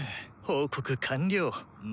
報告完了。